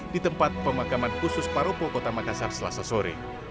di tempat pemakaman khusus paropo kota makassar selasa sore